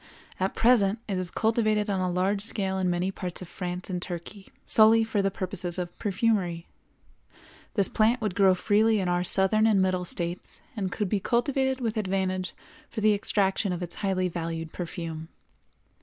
At present it is cultivated on a large scale in many parts of France and in Turkey, solely for the purposes of perfumery. This plant would grow freely in our Southern and Middle States, and could be cultivated with advantage for the extraction of its highly valued perfume.